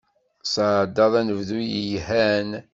Tesεeddaḍ anebdu yelhan?